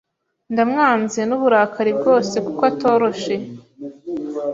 Ndamwanze n'uburakari bwose kuko atoroshe